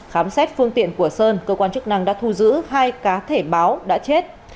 khám xét phương tiện của sơn cơ quan chức năng đã thu giữ hai cá thể báo đã chết